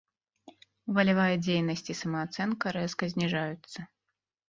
Валявая дзейнасць і самаацэнка рэзка зніжаюцца.